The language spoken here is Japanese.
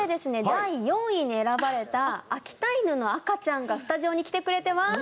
第４位に選ばれた秋田犬の赤ちゃんがスタジオに来てくれてます。